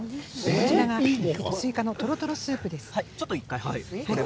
隣がスイカのとろとろスープです。